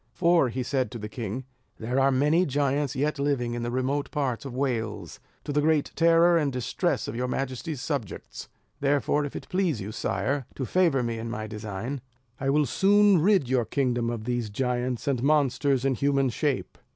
"For," said he to the king, "there are many giants yet living in the remote parts of Wales, to the great terror and distress of your majesty's subjects; therefore if it please you, sire, to favour me in my design, I will soon rid your kingdom of these giants and monsters in human shape."